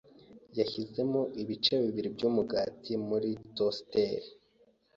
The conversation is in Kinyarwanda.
yashyizemo ibice bibiri byumugati muri toasteri.